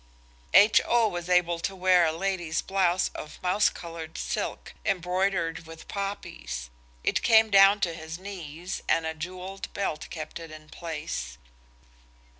H.O. was able to wear a lady's blouse of mouse coloured silk, embroidered with poppies. It came down to his knees and a jewelled belt kept it in place.